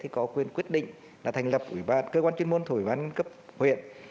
có quyền quyết định là thành lập các cơ quan chuyên môn của hội đồng nhân cấp huyện